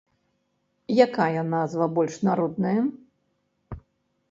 Якая назва больш народная?